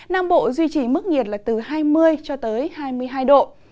nam bộ duy trì mức nhiệt là từ hai mươi cho tới hai mươi hai độ